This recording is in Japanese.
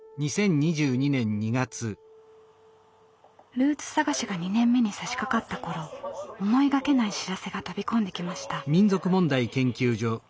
ルーツ探しが２年目にさしかかった頃思いがけない知らせが飛び込んできました。